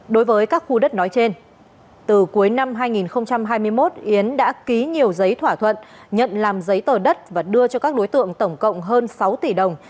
đối với các khu đất nói trên từ cuối năm hai nghìn hai mươi một yến đã ký nhiều giấy thỏa thuận nhận làm giấy tờ đất và đưa cho các đối tượng tổng cộng hơn sáu tỷ đồng